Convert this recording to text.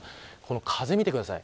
風を見てください。